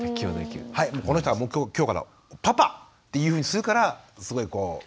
「はいこの人はもう今日からパパ！」っていうふうにするからすごいこう。